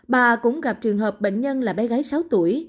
bà cũng gặp trường hợp bệnh nhân là bé gái sáu tuổi